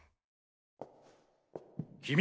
君！